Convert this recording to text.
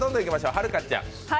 はるかちゃん。